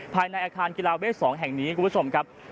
ภายในอาคารกีฬาเวท๒แห่งนี้คุณผู้ชมครับ